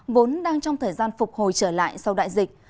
vốn đang trong thời gian phục hồi trở lại sau đại dịch